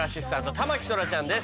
田牧そらちゃんです。